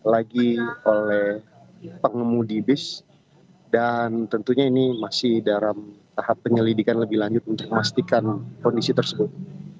lagi oleh pengemudi bis dan tentunya ini masih dalam tahap penyelidikan lebih lanjut untuk memastikan kondisi tersebut